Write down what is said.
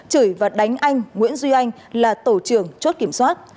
chửi và đánh anh nguyễn duy anh là tổ trưởng chốt kiểm soát